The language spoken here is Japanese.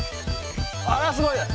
あらすごいね！